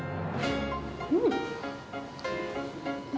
うん。